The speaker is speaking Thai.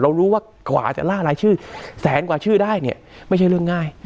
รู้ว่ากว่าจะล่ารายชื่อแสนกว่าชื่อได้เนี่ยไม่ใช่เรื่องง่าย